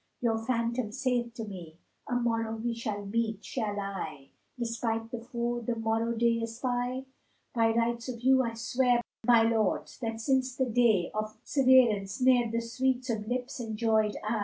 Your phantom saith to me, 'A morrow we shall meet!' * Shall I despite the foe the morrow day espy? By rights of you I swear, my lords, that since the day * Of severance ne'er the sweets of lips enjoyčd I!